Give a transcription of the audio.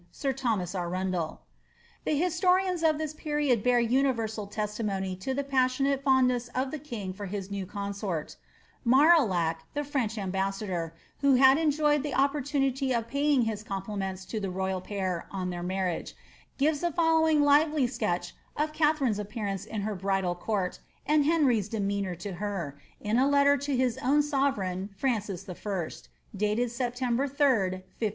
Sir Thomas Arundel. The historians of this period bear universal testimony to the passionate fondness of tlie king for his new consort Marillac, the French ambas* sador, who had enjoyed the opportunity of paying his compliments to the royal pair on their marriage, gives the following lively sketch of Katharine's appearance in her bridal court, and Henry's demeanour to her, in a letter to his own sovereign Francis L, dated September 3d, 1540.